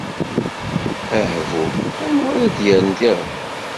Ahbuh! Anwa ara d-yerren tiɣri.